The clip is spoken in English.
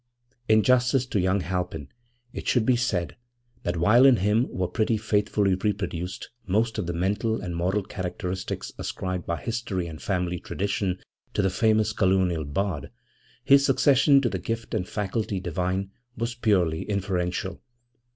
< 5 > In justice to young Halpin it should be said that while in him were pretty faithfully reproduced most of the mental and moral characteristics ascribed by history and family tradition to the famous Colonial bard, his succession to the gift and faculty divine was purely inferential.